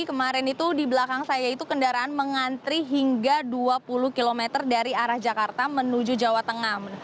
kemarin itu di belakang saya itu kendaraan mengantri hingga dua puluh km dari arah jakarta menuju jawa tengah